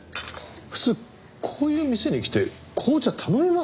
普通こういう店に来て紅茶頼みますか？